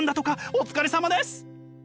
お疲れさまです！